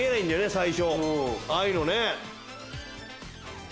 最初ああいうのね。